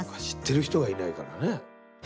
知ってる人がいないからね。